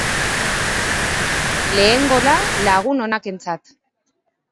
lehen gola Lagun onakentzat